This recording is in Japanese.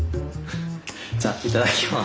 じゃあいただきます。